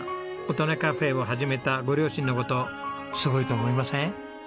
音音かふぇを始めたご両親の事すごいと思いません？